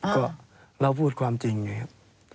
ก็เราพูดความจริงไงครับ